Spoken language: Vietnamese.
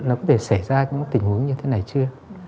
nó có để xảy ra những tình huống như thế này chưa